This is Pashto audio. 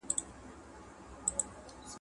زه به سبا د کلتور په اړه یوه مرکه وکړم.